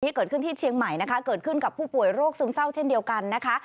เกิดขึ้นที่เชียงใหม่นะคะเกิดขึ้นกับผู้ป่วยโรคซึมเศร้าเช่นเดียวกันนะคะ